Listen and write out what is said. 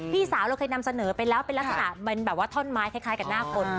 พี่สาวเราเคยนำเสนอไปแล้วเป็นลักษณะเหมือนแบบว่าท่อนไม้คล้ายกับหน้าคน